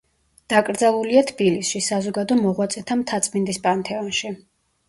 დაკრძალულია თბილისში, საზოგადო მოღვაწეთა მთაწმინდის პანთეონში.